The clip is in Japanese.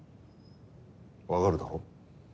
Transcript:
分かるだろ？